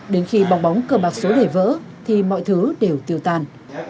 đến khi bóng bóng cờ bạc số đề vỡ thì mọi thứ đều tiêu tàn